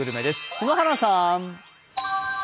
篠原さん。